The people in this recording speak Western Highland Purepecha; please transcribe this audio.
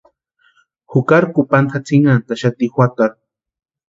Jukari kupanta jatsinhantaxati juatarhu.